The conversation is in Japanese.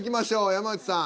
山内さん